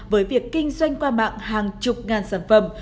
với việc kinh doanh qua mạng hàng chục ngàn sản phẩm